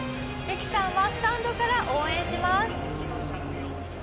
ミキさんはスタンドから応援します。